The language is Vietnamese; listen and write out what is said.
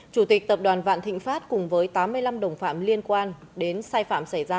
chủ tịch tập đoàn vạn thịnh pháp cùng với tám mươi năm đồng phạm liên quan đến sai phạm xảy ra